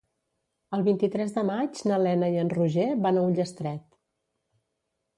El vint-i-tres de maig na Lena i en Roger van a Ullastret.